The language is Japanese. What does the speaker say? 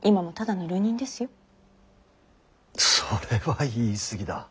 それは言い過ぎだ。